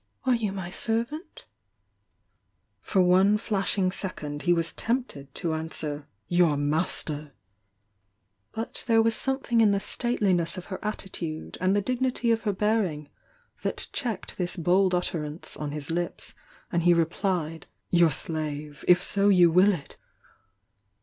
"Are you my ^Fot one flashing second he was tempted to an swer: "Your mastei !.,^.,.„ „r u,. But there was something m the statelmess of hex attitude and the dignity of her bearing tha.t checked this bold utterance on his hps, and he rephed. "Your slave!— if so you will it!